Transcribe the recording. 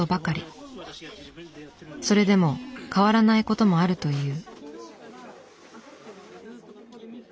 それでも変わらないこともあるという。